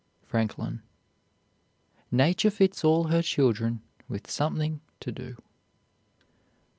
FRANKLIN. Nature fits all her children with something to do.